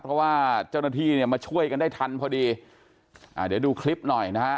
เพราะว่าเจ้าหน้าที่เนี่ยมาช่วยกันได้ทันพอดีอ่าเดี๋ยวดูคลิปหน่อยนะฮะ